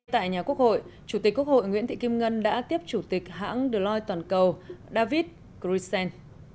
tại nhà quốc hội chủ tịch quốc hội nguyễn thị kim ngân đã tiếp chủ tịch hãng dloyd toàn cầu david krisen